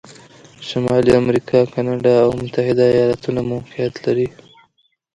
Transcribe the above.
شمالي امریکا کې کانادا او متحتد ایالتونه موقعیت لري.